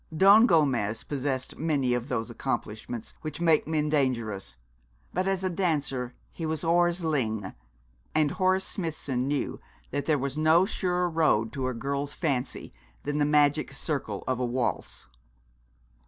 Don Gomez possessed many of those accomplishments which make men dangerous, but as a dancer he was hors ligne; and Horace Smithson knew that there is no surer road to a girl's fancy than the magic circle of a waltz.